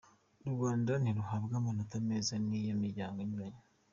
Urwanda ntiruhabwa amanota meza n’iyo miryango inyuranye.